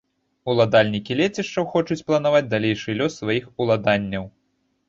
Уладальнікі лецішчаў хочуць планаваць далейшы лёс сваіх уладанняў.